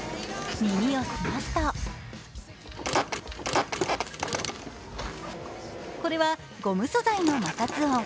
耳を澄ますとこれはゴム素材の摩擦音。